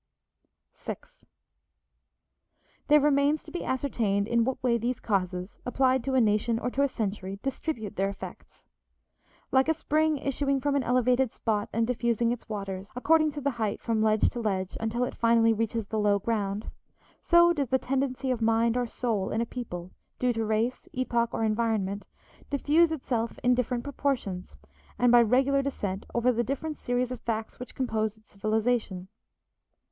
VI There remains to be ascertained in what way these causes, applied to a nation or to a century, distribute their effects. Like a spring issuing from an elevated spot and diffusing its waters, according to the height, from ledge to ledge, until it finally reaches the low ground, so does the tendency of mind or soul in a people, due to race, epoch, or environment, diffuse itself in different proportions, and by regular descent, over the different series of facts which compose its civilization.